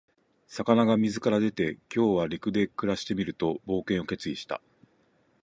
魚が水から出て、「今日は陸で暮らしてみる」と冒険を決意した。